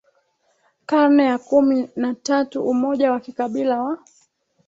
karne ya kumi na tatu Umoja wa kikabila wa